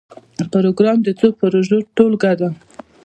پروګرام د څو پروژو ټولګه ده